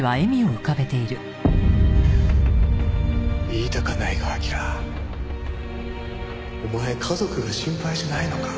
言いたかないが彬お前家族が心配じゃないのか？